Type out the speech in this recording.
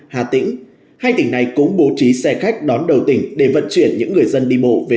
hà tĩnh hai tỉnh này cũng bố trí xe khách đón đầu tỉnh để vận chuyển những người dân đi bộ về